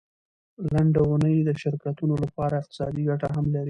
لنډه اونۍ د شرکتونو لپاره اقتصادي ګټه هم لري.